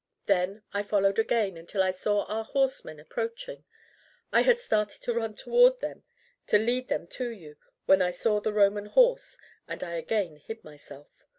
Then I followed again until I saw our horsemen approaching. I had started to run towards them to lead them to you when I saw the Roman horse, and I again hid myself.